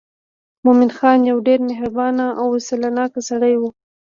مومن خان یو ډېر مهربانه او وسیله ناکه سړی و.